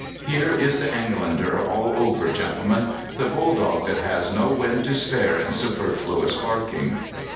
Here is the Englander all over, gentlemen the bulldog that has no wind to spare in superfluous barking."